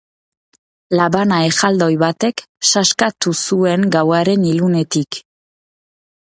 Labana erraldoi batek sastakatu zuen gauaren ilunetik.